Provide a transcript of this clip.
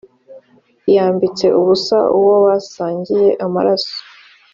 yambitse ubusa uwo basangiye amaraso